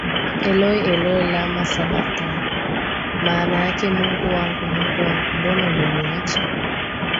Eloi Eloi lama sabakthani maana yake Mungu wangu Mungu wangu mbona umeniacha